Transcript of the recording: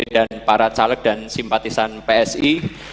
para caleg dan simpatisan psi